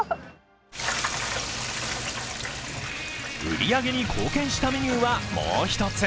売り上げに貢献したメニューは、もう一つ。